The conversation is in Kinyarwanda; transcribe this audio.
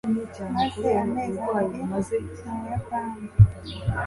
maze amezi abiri mu buyapani